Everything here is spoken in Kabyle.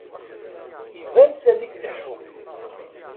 Iban sani tleḥḥu.